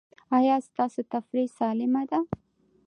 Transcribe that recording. ایا ستاسو تفریح سالمه ده؟